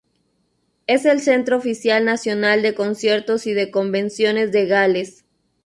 Es el centro oficial nacional de conciertos y de convenciones de Gales.